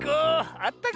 あったけ。